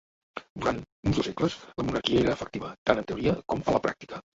Durant uns dos segles, la monarquia era electiva tant en teoria com a la pràctica.